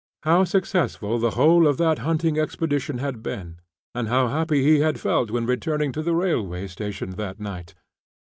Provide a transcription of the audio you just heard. How successful the whole of that hunting expedition had been, and how happy he had felt when returning to the railway station that night.